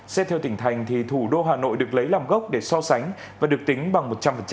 xét theo tỉnh thành thủ đô hà nội được lấy làm gốc để so sánh và được tính bằng một trăm linh